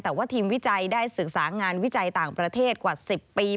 แต่ว่าทีมวิจัยได้ศึกษางานวิจัยต่างประเทศกว่า๑๐ปี